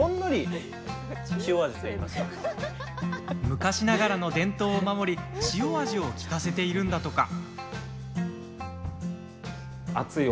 昔ながらの伝統を守り塩味を利かせているんだとか。